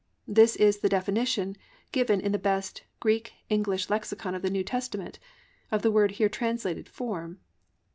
This is the definition given in the best Greek English lexicon of the New Testament, of the word here translated "form."